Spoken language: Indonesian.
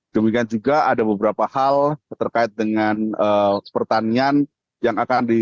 demikian juga ada beberapa hal terkait dengan pertanian